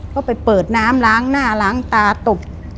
ก็ไปเปิดน้ำล้างหน้าล้างตาตบ